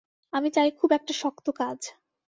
আমি চাই খুব একটা শক্ত কাজ।